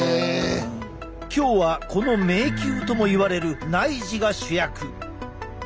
今日はこの迷宮ともいわれる内耳が主役！